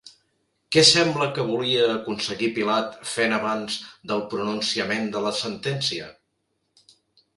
Què sembla que volia aconseguir Pilat fent abans del pronunciament de la sentència?